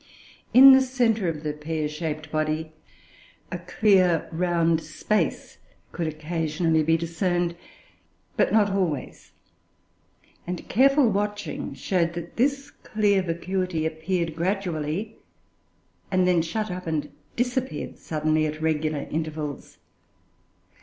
In the centre of the pear shaped body a clear round space could occasionally be discerned, but not always; and careful watching showed that this clear vacuity appeared gradually, and then shut up and disappeared suddenly, at regular intervals.